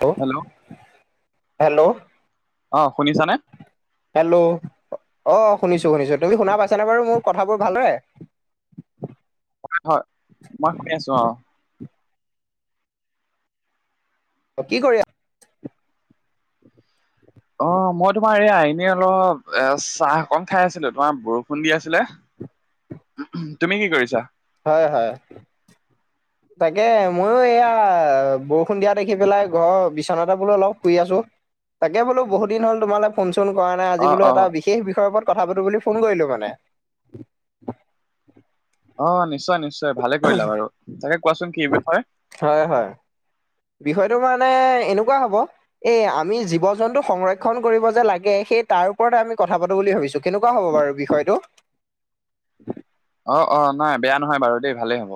টো hello hello '! Hello! অ', শুনিছানে? হেল্ল'? অ', শুনিছোঁ-শুনিছোঁ, তুমি শুনা পাইছানে বাৰু মোৰ কথাবোৰ ভালদৰে? হয়, হয়, মই শুনি আছোঁ অ'। অ', কি কৰি অ', মই তোমাৰ এইয়া এনে অলপ এ চাহ অকন খাই আছিলোঁ, তোমাৰ বৰষুণ দি আছিলে। তুমি কি কৰিছা? হয়, হয়। [inaudible] তাকে ময়ো এয়া বৰষুণ দিয়া দেখি পেলাই ঘৰৰ বিচনাতে বোলো অলপ শুই আছোঁ। তাকে বোলো বহুত দিন হল তোমাৰ লগত ফোন - চুন কৰা নাই অ আজি বোলো অ এটাওপৰত কথা পাতো বুলি ফোন কৰিলোঁ মানে। অ', নিশ্চয়-নিশ্চয় ভালে কৰিলা বাৰু। তাকে কোৱাচোন কি বিষয়? হয়, হয়, বিষয়টো মানে এনেকুৱা হ'ব এ আমি জীৱ - জন্তু সংৰক্ষণ কৰিব যে লাগে সেই তাৰ ওপৰতে আমি কথা পাতো বুলি ভাবিছোঁ। কেনেকুৱা হ'ব বাৰু বিষয়টো? অ', অ', নাই বেয়া নহয় বাৰু দেই ভালেই হ'ব।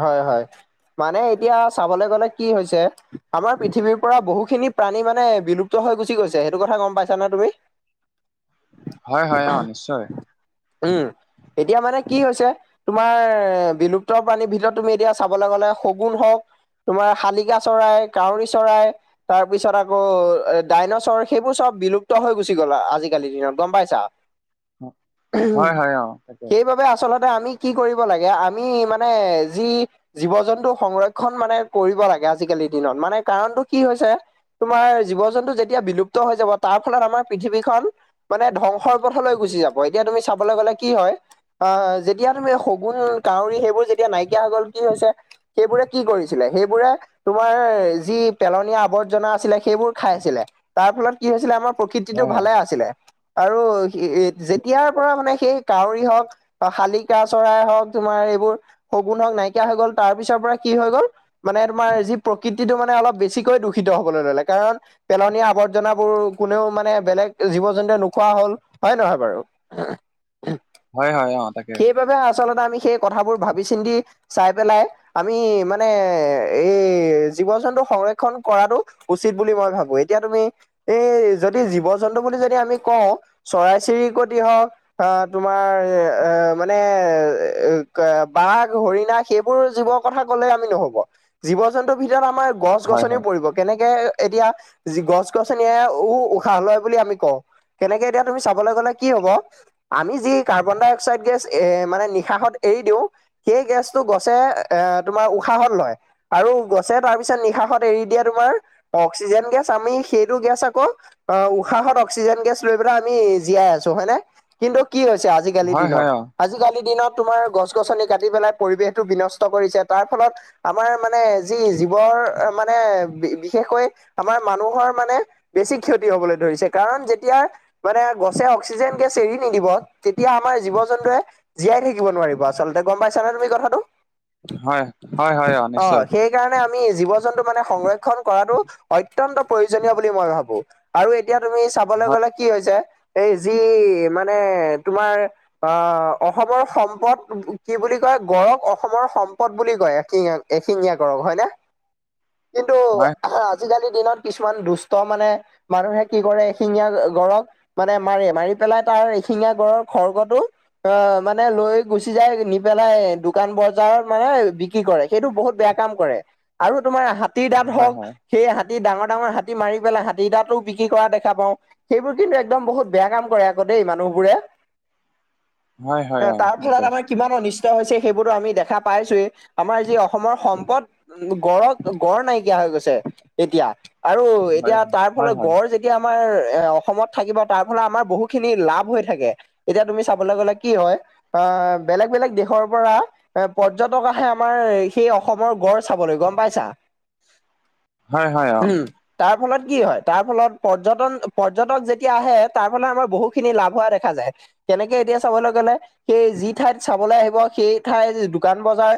হয়, হয়। মানে এতিয়া চাবলৈ গ'লে কি হৈছে, আমাৰ পৃথিৱীৰ পৰা বহুখিনি প্ৰাণী মানে বিলুপ্ত হৈ গুচি গৈছে সেইটো কথা গম পাইছা নে তুমি? হয়, হয়, অ', নিশ্চয়। উম। এতিয়া মানে কি হৈছে, তোমাৰ বিলুপ বিলুপ্ত প্ৰাণীৰ ভিতৰত তুমি এতিয়া চাবলৈ গ'লে শগুন হওক তোমাৰ শালিকা চৰাই, কউৰী চৰাই। তাৰ পিছত আকৌ এ ডাইনচৰ সেইবোৰ চব বিলুপ্ত হৈ গুচি গ'ল আজিকালিৰ দিনত গম পাইছা? [inaudible] উম, হয় হয় অ তাকে সেইবাবে আচলতে আমি কি কৰিব লাগে আমি ইমান মানে যি জীৱ জন্তু সংৰক্ষণ মানে কৰিব লাগে আজিকালিৰ দিনত। মানে কাৰণটো কি হৈছে তোমাৰ জীৱ জন্তু যেতিয়া বিলুপ্ত হৈ যাব তাৰ ফলত আমাৰ পৃথিৱীখন মানে ধ্বংসৰ পথলৈ গুচি যাব, এতিয়া তুমি চাবলৈ গ'লে কি হয় অ', যেতিয়া তুমি শগুন কাউৰী সেইবোৰ যেতিয়া নাইকিয়া হৈ গ'ল কি হৈছে সেইবোৰে কি কৰিছিলে? সেইবোৰে তোমাৰ যি পেলনীয়া আৱৰ্জনা আছিলে সেইবোৰ খাই আছিলে। তাৰ ফলত কি হৈছিলে আমাৰ প্ৰকৃতিটো হয় হয় ভালে আছিলে, আৰু যেতিয়াৰ পৰা মানে সেই কাউৰী হওক বা শালিকা চৰাই হওক তোমাৰ এইবোৰ শগুনক হওক নাইকিয়া হৈ গ'ল তাৰ পিছৰ পৰা কি হৈ গ'ল মানে তোমাৰ যি প্ৰকৃতিটো মানে অলপ বেছিকৈ দূষিত হবলৈ ল'লে। কাৰণ পেলনীয়া আৱৰ্জনাবোৰ কোনেও মানে বেলেগ জীৱ জন্তুৱে নোখোৱা হল। হয় নহয় বাৰু? হয়, হয়, অ', তাকে। সেইবাবে আচলতে আমি সেই কথাবোৰ ভাবি চিন্তি চাই পেলাই আমি মানে এই জীৱ জন্তু সংৰক্ষণ কৰাটো উচিত বুলি মই ভাবো। এতিয়া তুমি এই যদি জীৱ জন্তু বুলি যদি আমি কওঁ চৰাই চিৰিকট হওক আহ তোমাৰ এ মানে এ বাঘ হৰিণা সেইবোৰ জীৱৰ কথা ক'লে আমি নহব জীৱ জন্তুৰ ভিতৰত আমাৰ। গছ হয় গছনিও হয় পৰিব কেনেকে এতিয়া গছ গছনিয়েও উশাহ লয় বুলি আমি কওঁ। কেনেকে এতিয়া তুমি চাবলৈ গলে কি হব আমি যি কাৰ্বন ডাই অক্সাইড গেছ এ মানে নিশাহত এৰি দিওঁ এই গেছটো গছে এ তোমাৰ উশাহন লয়। আৰু গছে তাৰপিছত নিশাহত এৰি দিয়ে তোমাৰ অক্সিজেন গেছ আমি সেইটো গেছ আকৌ অ', উশাহত অক্সিজেন গেছ লৈ পেলাই আমি জীয়াই আছোঁ হয় নে? কিন্তু কি হৈছে আজিকালি হয় দিনত, হয় অ আজিকালি দিনত তোমাৰ গছ গছনি কাটি পেলাই পৰিৱেশ টো বিনষ্ট কৰিছে তাৰ ফলত আমাৰ মানে যি জীৱৰ মানে বিশেষকৈ আমাৰ মানুহৰ মানে বেছি ক্ষতি হবলৈ ধৰিছে কাৰণ যেতিয়া মানে গছে অক্সিজেন গেছ এৰি নিদিব। তেতিয়া আমাৰ জীৱ জন্তুৱে জীয়াই থাকিব নোৱাৰিব আচলতে গম পাইছা নে তুমি কথাটো। হয় হয় হয় অ' নিশ্চয় সেই। সেই কাৰণে আমি জীৱ জন্তু মানে সংৰক্ষন কৰাটো অত্যন্ত প্ৰয়োজনীয় বুলি মই ভাবো। আৰু এতিয়া তুমি চাবলৈ হয় গলে কি হৈছে এই যি মানে তোমাৰ। বা অসমৰ সম্পদ। কি বুলি কয় গড়ক অসমৰ সম্পদ বুলি কয় এশিঙা এশিঙীয়া গড়ক হয় নে? কিন্তু হয় আজি। আজিকালিৰ দিনত কিছুমান দুষ্ট মানে মানুহে কি কৰে শিঙীয়া গড়ক। মানে মাৰে মাৰি পেলাই তাৰ এশিঙীয়া গড়ৰ খৰ্গটো। অ' মানে লৈ গুচি যায় নেকি? পেলাই দোকান বজাৰত মানে বিক্ৰী কৰে সেইটো বহুত বেয়া কাম কৰে আৰু তোমাৰ হাত। হাতীৰ দাঁত হয় হওক হয় সেই হাতীৰ ডাঙৰ ডাঙৰ হাতী মাৰি পেলাই হাতীৰ দাঁতো বিক্ৰী কৰা দেখা পাওঁ। সেইবোৰ কিন্তু একদম বহুত বেয়া কাম কৰে আকৌ দেই মানুহবোৰে। [inaudible] এ হয় অ তাৰ তাকে ফলত আমাৰ কিমানৰ নিচ হৈছে সেইবোৰো আমি দেখা পাইছোৱে, আমাৰ যি অসমৰ সম্পদ উ গঁড়ক গড় নাইকিয়া হৈ গৈছে, এতিয়া আৰু হয় এতিয়া তাৰ হয় ফলত হয় গড় যেত আমাৰ এ অসমত থাকিব তাৰ ফলে আমাৰ বহু খিনি লাভ হৈ থাকে। এতিয়া তুমি চাবলৈ গ'লে কি হয়! আঁ বেলেগ বেলেগ দেশ ৰ পৰা, এ পৰ্যটক আহে আমাৰ সেই অসমৰ গড় চাবলৈ গম পাইছা? হয় হয় হয় অ উহু। তাৰ ফলত কি হয়, তাৰ ফলত পৰ্যটন পৰ্যটক যেতিয়া আহে তাৰ ফালে আমাৰ বহুতখিনি লাভ হোৱা দেখা যায়। কেনেকে এতিয়া চাবলৈ গলে' সেই যি ঠাইত চাবলৈ আহিব সেই ঠাই দোকান-বজাৰ,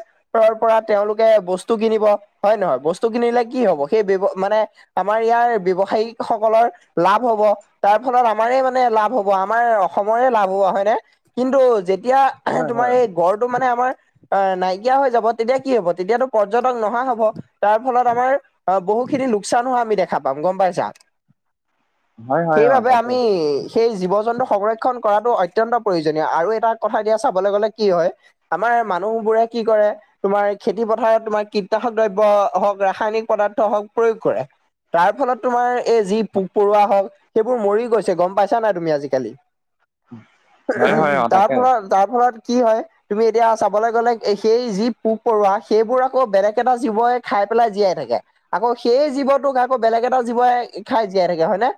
পৰা তেওঁলোকে বস্তু কিনিব, হয় নহয়? বস্তু কিনিলে কি হ'ব সেই মানে আমাৰ ইয়াৰ ব্যৱসায়ীক সকলৰ লাভ হ'ব। তাৰ ফলত আমাৰ মানে লাভ হ'ব, আমাৰ অসমৰে লাভ হ'ব হয়নে? কিন্তু যেতিয়া হয় তোমাৰ এই গড়টো মানে আমাৰ আহ নাইকিয়া হৈ যাব, তেতিয়া কি হব! তেতিয়াতো পৰ্যটক নহা হব, তাৰ ফলত আমাৰ অ বহু খিনি লোকচানো হোৱা আমি দেখা পাম গম পাইছা? হয় হয় হয় অ সেইবাবে তাকে আমি সেই জীৱ-জন্তু সংৰক্ষণ কৰাটো অত্যন্ত প্ৰয়োজনীয় আৰু এটা কথা দিয়া চাবলৈ গ'লে কি হয়, আমাৰ মানুহ বোৰে কি কৰে তোমাৰ খেতি পথাৰত তোমাৰ কীটনাশক দ্ৰব্য হওক, ৰাসায়নিক পদাৰ্থ হওক প্ৰয়োগ কৰে। তাৰ ফলত তোমাৰ এই যি পোক-পৰুৱা হওক, সেইবোৰ মৰি গৈছে। গ'ম পাইছা নাই তুমি আজিকালি? হয় হয় অ তাকে তাৰফলত তাৰফলত কি হয়! তুমি এতিয়া চাবলৈ গ'লে সেই যি পোক-পৰুৱা, সেইবোৰ আকৌ বেলেগ এটা জীৱই খাই পেলাই জীয়াই থাকে। আকৌ সেই জীৱটোক আকৌ বেলেগ এটা জীৱই খাই জীয়াই থাকে হয়নে?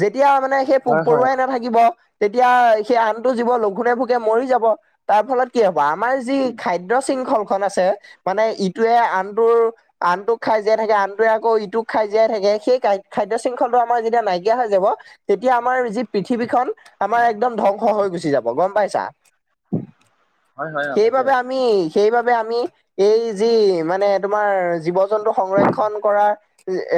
যেতিয়া মানে সেই পোক হয় হয় অ, পৰুৱাই নাথাকিব। তেতিয়া সেই আনটো জীৱ লঘোণে, ভোকে মৰি যাব। তাৰ ফলত কি হব, আমাৰ যি খাদ্য শৃংখল খন আছে, মানে ইটোৱে আনটোৰ আনটোক খাই জীয়াই থাকে, আনটোৱে আকৌ ইটোক খাই জীয়াই থাকে, সেই খাদ্য শৃংখলটো আমাৰ যেতিয়া নাইকিয়া হৈ যাব তেতিয়া আমাৰ যি পৃথিৱীখন, আমাৰ একদম ধ্বংস হৈ গুচি যাব গম পাইছা? হয় হয় অ তাকে সেইবাবে আমি, সেইবাবে আমি এই যি মানে তোমাৰ জীৱ -জন্ত সংৰক্ষণ কৰাৰ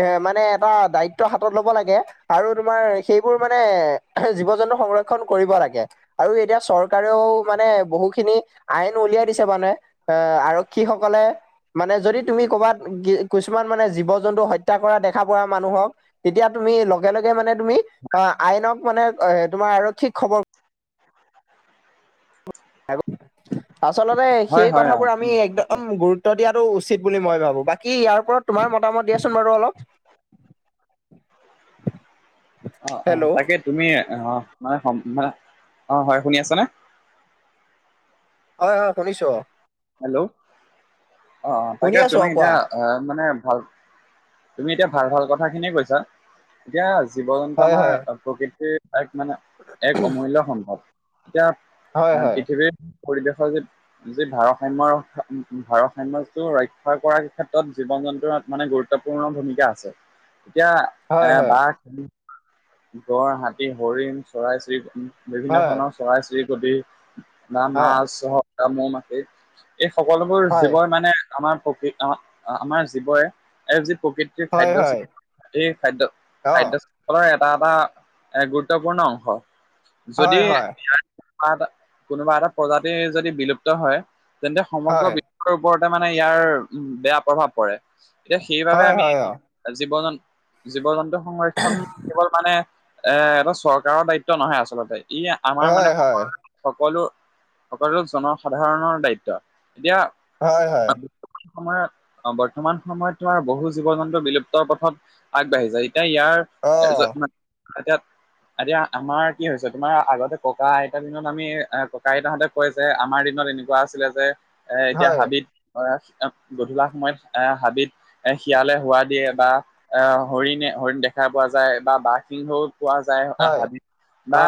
এ মানে এটা দায়িত্ব হাতত লব লাগে, আৰু তোমাৰ সেইবোৰ মানে জীৱ-জন্তু সংৰক্ষণ কৰিব লাগে। আৰু এতিয়া চৰকাৰেও মানে বহু খিনি আইন উলিয়াই দিছে মানে, এ আৰক্ষী সকলে মানে যদি তুমি কৰ'ৰবাত কিছুমান মানে জীৱ-জন্তু হত্যা কৰা দেখা পোৱা মানুহক তেতিয়া তুমি লগে লগে মানে তুমি' অ আইনক মানে তোমাৰ আৰক্ষী খবৰ আচলতে হয় সেই হয় অ কথাবোৰ আমি উম তাকে একদম গুৰুত্ব ত্ব দিয়াটো উচিত বুলি মই ভাবো। বাকী ইয়াৰ ওপৰত তোমাৰ মতামত দিয়াচোন বাৰু অলপ? [inaudible] অ, অ হেল্ল' তাকে তুমি অ মানে মানে অ হয় শুনি আছা নে? হয় হয় শুনিছো। হেল্ল' অ শুনি তাকে আছো তুমি অ কোৱা এতিয়া অ, মানে ভাল তুমি এতিয়া ভাল-ভাল কথাখিনিয়ে কৈছা। এতিয়া জীৱ-জন্তু হয় আমাৰ হয় প্ৰকৃতিৰ এক মানে' এক অমূল্য সম্পদ। এতিয়া হয় হয় পৃথিৱীৰ পৰিৱেশৰ যি যি ভাৰস সাম্য ৰা ভাৰসাম্যটো ৰক্ষা কৰাৰ ক্ষেত্ৰত জীৱ-জন্তুৰ মানে গুৰুত্ব গুৰুত্বপূৰ্ণ ভূমিকা আছে। এতিয়া হয় এ হয় বাঘ খ গড়, হাতী, হৰিণ, চৰাই-চিৰিকট, বিভিন্ন হয় ধৰণৰ চৰাই-চিৰিকটি বা অ মাছ চহক বা মৌ-মাখি এই সকলোবোৰ হয় জীৱয় মানে আমাৰ প্ৰক আম আমাৰ জীৱৰে আৰু যি প্ৰকৃৃত [unintelligible] হয় খাদ্য হয় শৃং এই খাদ্য অ খাদ্যৰ শৃংখলা এটা এটা গুৰুত্বপূৰ্ণ অংশ যদি হয় হয় ইয়াৰ এটা কোনোবা এটা প্ৰজাতিৰ যদি বিলুপ্ত হয় তেন্তে সমগ্ৰ হয় বি শ্বৰ ওপৰতে মানে ইয়াৰ বেয়া প্ৰভাৱ পৰে এতিয়া সেইবাবে হয় আমি হয় জীৱ-জন্তু, জীৱ-জন্তু সংৰক্ষণ কেৱল মানে এ এটা চৰকাৰৰ দায়িত্ব নহয় আচলতে ই অ আমাৰ মানে হয় হয় সকলো সকলো জনসাধাৰণৰ দায়িত্ব এতিয়া। হয় হয়। সময়ত অ, বৰ্তমান সময়ত তোমাৰ বহু জীৱ জন্তু বিলুপ্তৰ পথত আগবাঢ়ি যায় এতিয়া ইয়াৰ অ এতিয়া এতিয়া আমাৰ কি হৈছে তোমাৰ আগতে ককা আইতাৰ দিনত আমি ককা আইতাহঁতে কয় যে আমাৰ দিনত এনেকুৱা আছিলে যে এ এতিয়া হয় হাবিত গধূলা সময়ত এ হাবিত এ, শিয়ালে হোৱা দিয়ে বা এ হৰিণে হৰিণ দেখা পোৱা যায় বা বাঘ সিংহও পোৱা যায়। হয় হাবি বা অ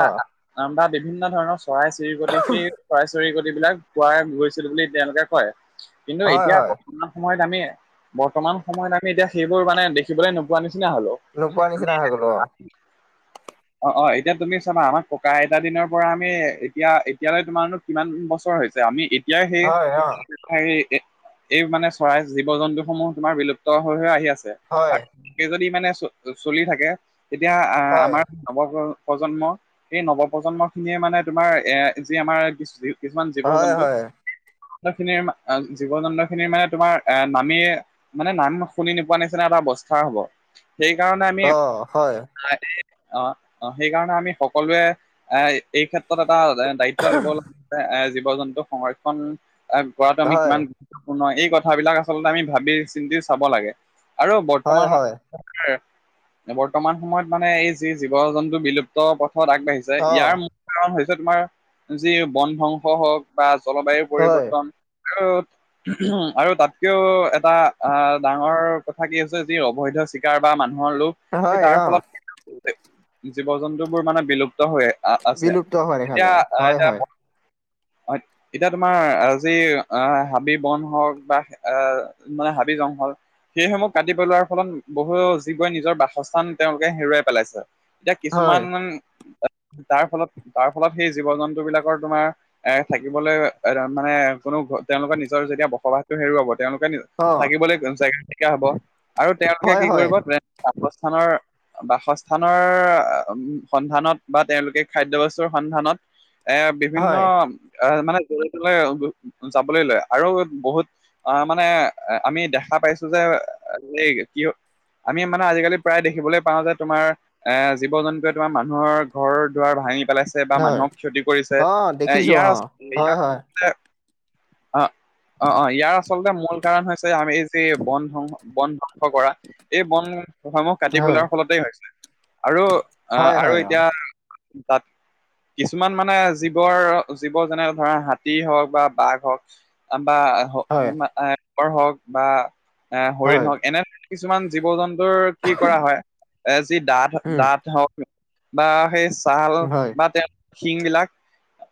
বা বিভিন্ন ধৰণৰ চৰাই-চিৰিকটি সেই চৰাই-চিৰিকট বিলাক পোৱাই গৈছিল বুলি তেওঁলোকে কয়। কিন্তু হয় এতিয়া হয় বৰ্তমান সময়ত আমি বৰ্তমান সময়ত আমি এতিয়া সেইবোৰ মানে দেখিবলে নোপোৱা নিচিনা হলো। নোপোৱা নিচিনা হৈ গলো অ [unintelligible] অ, অ এতিয়া তুমি চাবা আমাক ককা আইতা দিনৰ পৰা আমি এতিয়া এতিয়ালৈ তোমাৰনো কিমান বছৰ হৈছে আমি এতিয়াই সেই হয় অ সেই এই মানে চৰাই জীৱ-জন্তু সমূহ তোমাৰ বিলুপ্ত হৈ হৈ আহি আছে। হয়। একে যদি মানে চ চলি থাকে তেতিয়া আহ হয় আমাৰ নৱ প্ৰজন্ম সেই নৱ প্ৰজন্ম খিনিয়ে মানে তোমাৰ এ যি আমাৰ কিছুমান জীৱ হয় জন্তু হয় খিনিৰ জীৱ জন্তু খিনিৰ মানে তোমাৰ এ নামি মানে নাম শুনি নোপোৱা নিচিনা এটা অৱস্থা হব সেইকাৰণে আমি অ হয় অ অ সেইকাৰণে আমি সকলোৱে এ এই ক্ষেত্ৰত এটা দায়িত্ব লব লাগে এ জীৱ-জন্তু সংৰক্ষণ কৰাটো আমি হয় কিমান গুৰুত্বপূৰ্ণ এই কথাবিলাক আচলতে আমি ভাবি চিন্তি চাব লাগে আৰু হয় বৰ্তমান হয় [unintelligible] বৰ্তমান সময়ত মানে এই যি জীৱ-জন্তু বিলুপ্ত পথত আগবাঢ়িছে অ ইয়াৰ মূল কাৰণ হৈছে তোমাৰ যি বন ধ্বংস হওক বা জলবায়ু হয় পৰিৱৰ্তন টো উম, আৰু তাতকেও এটা আহ ডাঙৰ কথা কি হৈছে যি অবৈধ চিকাৰ বা মানুহ। মানুহৰ লোক এই হয় তাৰ অ ফলত কিন্তু জীৱ-জন্তু বোৰ মানে বিলুপ্ত হৈ আ আছে বিলুপ্ত হোৱা দেখা এতিয়া যায় হয় আহ হয় প্ৰথম এতিয়া তোমাৰ আজি আহ হাবি বন হওক বা আহ মানে হাবি জংঘল সেইসমূহ কাটি পেলোৱাৰ ফলত বহুত জীৱই নিজৰ বাসস্থান তেওঁলোকে হেৰুৱাই পেলাইছে এতিয়া হয় কিছুমান তাৰ ফলত তাৰ ফলত সেই জীৱ জন্তু বিলাকৰ তোমাৰ এ থাকিবলৈ এ মানে কোনো তেওঁলোকৰ নিজৰ যেতিয়া বসবাসটো হেৰুৱাব তেওঁলোকে অ থাকিবলৈ জেগা নাইকা হব আৰু তেওঁলোকে হয় কি হয় কৰিব বাসস্থানৰ বাসস্থানৰ সন্ধানত বা তেওঁলোকে খাদ্য বস্তুৰ সন্ধানত এ বিভিন্ন হয় এ মানে জলে তলে যাবলৈ লয় আৰু বহুত অ মানে আমি দেখা পাইছো যে এই কিয় আমি মানে আজিকালি প্ৰায় দেখিবলৈ পাওঁ যে তোমাৰ এ জীৱ জন্তুৱে তোমাৰ মানুহৰ ঘৰ দুৱাৰ ভাঙি পেলাই ছে বা হয় মানুহক ক্ষতি কৰিছে অ এ দেখিছো ইয়াৰ অ ইয়াৰ হয় হয় আচলতে অ অ অ ইয়াৰ আচলতে মূল কাৰণ হৈছে আমি এই যে বন ধ্বং বন ধ্বংস কৰা। এই বনসমূহ কাটি হয় পলাৰ ফলতেই হৈছে, আৰু হয় আহ হয় আৰু অ এতিয়া বাত কিছুমান মানে জীৱৰ জীৱ যেনে ধৰা হাতী হওক, বা বাঘ হওক বা হয় [unintelligible] হওক, বা এ হৰিণ হয় হওক, এনে কিছুমান জীৱ জন্তুৰ কি কৰা হয়, এ যি দাঁত, উম দাঁত হওক বা সেই ছাল, হয় বা [unintelligible] তেওঁলৰ শিং বিলাক,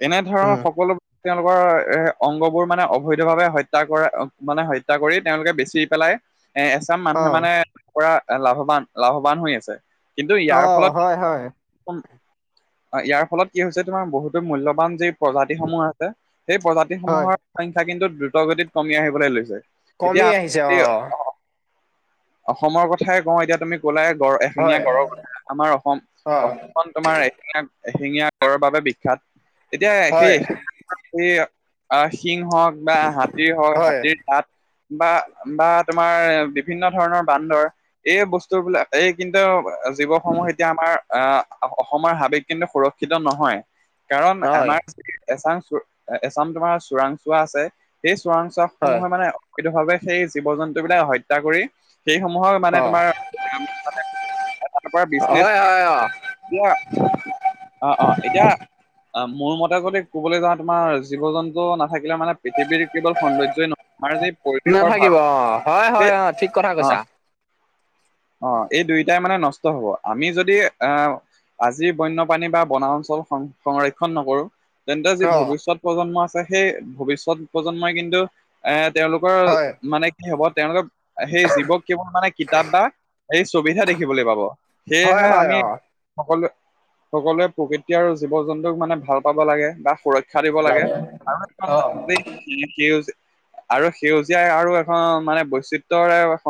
এনে ধৰণৰ উম সকলো তেওঁলোকৰ এ অংগবোৰ মানে অবৈধ ভাৱে হত্যা কৰা, মানে হত্যা কৰি, তেওঁলোকে বেচি পেলাই এ এছাম মানে, অ মানে কৰা লাভৱান, লাভৱান হৈ আছে, কিন্তু অ ইয়াৰ ফলত হয় হয় উম [unintelligible] ইয়াৰ ফলত কি হৈছে তোমাৰ, বহুতো মূল্য়বান যি প্ৰজাতিসমূহ আছে, সেই প্ৰজাতি হয় সমূহৰ সংখ্যা কিন্তু দ্ৰুত গতিত কমি আহিবলৈ লৈছে। এতিয়া কমি আমি আহিছে অ'। অসমৰ কথাই কওঁ এতিয়া তুমি ক'লা গড়, এশেঙীয়া হয় গড়ৰ কথা, আমাৰ অসম, অ অসম তোমাৰ এশিঙ, এশিঙীয়া গড়ৰ বাবে বিখ্যাত, এতিয়া হয় সেই সেই শিং হওক বা হাতীৰ হওক, হয় হাতীৰ দাঁত বা, বা তোমাৰ বিভিন্ন ধৰণৰ বান্দৰ, এই বস্তু বিলাক, এই কিন্তু, জীৱসমূহ এতিয়া আমাৰ আহ অসমৰ হাবিত কিন্তু সুৰক্ষিত নহয়, কাৰণ হয় আমাৰ এচাম চো, এছাম তোমাৰ চোৰাংচোৱা আছে, সেই চোৰাংচোৱা হয় সমূহে মানে পকীত ভাৱে সেই জীৱ জন্তু বিলাক হত্যা কৰি, সেইসমূহক মানে অ তোমাৰ [unintelligible] বিজনেছ হয় হয় অ'। অ-অ, এতিয়া অ, মোৰ মতে যদি কবলৈ যাওঁ তোমাৰ জীৱ জন্তু নাথাকিলে মানে, পৃথিৱীৰ কিবা সূন্দৰ্যই নহয়। মাৰ দিপ [unintelligible] নাথাকিব অ, হয়-হয় অ', ঠিক কথা কৈছা অ'হ, অ, এই দুইটাই মানে নষ্ট হ'ব, আমি যদি এ আজি বন্যপ্ৰণী বা, বনা অঞ্চল সং সংৰক্ষণ নকৰো তেন্তে যি অ ভৱিষ্যত প্ৰজন্ম আছে, সেই ভৱিষ্যত প্ৰজন্মই কিন্তু এ তেওঁলোকৰ হয় মানে কি হব, তেওঁলোকৰ সেই জীৱক কেৱল মানে কিতাপ বা এই চুবিধা দেখিবলৈ পাব। হয় সেয়েহে হয় আমি অ সকলোৱ, সকলোৱে প্ৰকৃতি আৰু জীৱ জন্তুক মানে ভাল পাব লাগে, বা সুৰক্ষিত খাৰিব লাগে, অ [unintelligible] বিল সেউজীয়া, আৰু সেউজীয়াই আৰু এখন, মানে বৈচিত্ৰৰে